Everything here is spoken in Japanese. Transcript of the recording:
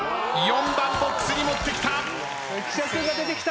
４番ボックスに持ってきた。